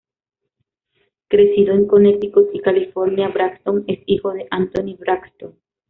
Crecido en Connecticut y California, Braxton es hijo de Anthony Braxton.